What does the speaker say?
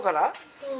そう。